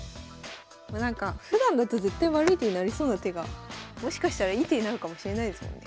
もうなんかふだんだと絶対悪い手になりそうな手がもしかしたらいい手になるかもしれないですもんね。